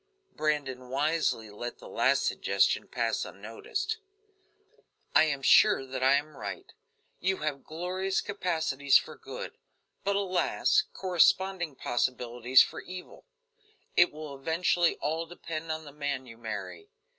Brandon wisely let the last suggestion pass unnoticed. "I am sure that I am right; you have glorious capacities for good, but alas! corresponding possibilities for evil. It will eventually all depend upon the man you marry.